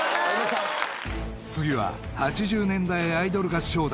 ［次は８０年代アイドル合唱団］